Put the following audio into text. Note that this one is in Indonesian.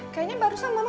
kayaknya barusan mama